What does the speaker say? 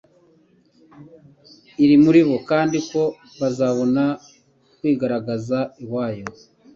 iri muri bo kandi ko bazabona ukwigaragaza lwayo.